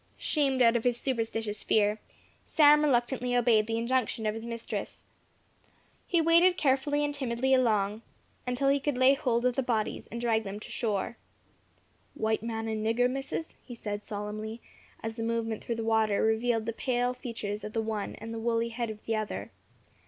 Shamed out of his superstitious fear, Sam reluctantly obeyed the injunction of his mistress. He waded carefully and timidly along, until he could lay hold of the bodies, and drag them to shore. "W'ite man and nigger, Missus," he said, solemnly, as the movement through the water revealed the pale features of the one, and the woolly head of the other.